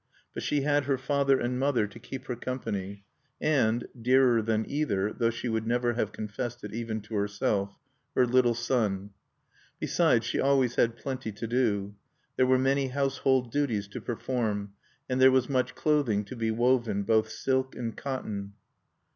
But she had her father and mother to keep her company, and, dearer than either, though she would never have confessed it even to herself, her little son. Besides, she always had plenty to do. There were many household duties to perform, and there was much clothing to be woven both silk and cotton.